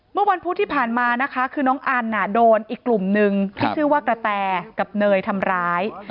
เมื่อวันพุธที่ผ่านมานะคะคือน้องอันโดนอีกกลุ่มนึงที่ชื่อว่ากระแตกับเนยทำร้าย